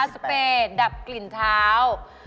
สเปย์ดับกลิ่นเท้า